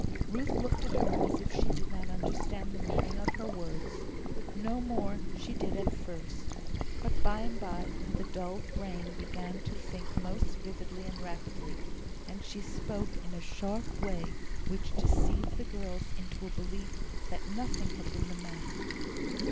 Ruth looked at her as if she did not understand the meaning of her words. No more she did at first. But by and by the dulled brain began to think most vividly and rapidly, and she spoke in a sharp way which deceived the girls into a belief that nothing had been the matter.